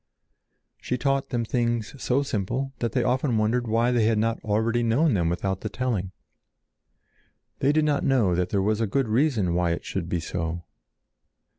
She taught them things so simple that they often wondered why they had not already known them without the telling. They did not know that there was a good reason why it should be so.